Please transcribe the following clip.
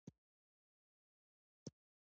د وږمو په وزرونو راشم